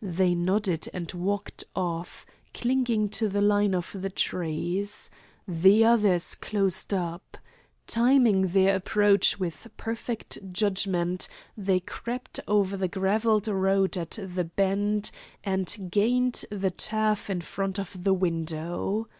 They nodded and walked off, clinging to the line of the trees. The others closed up. Timing their approach with perfect judgment, they crept over the gravelled road at the bend, and gained the turf in front of the window.